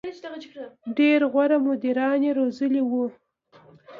• ډېری غوره مدیران یې روزلي وو.